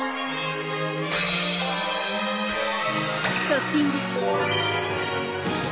トッピング！